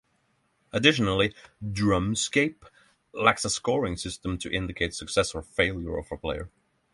Additionally, "Drumscape" lacks a scoring system to indicate success or failure of a player.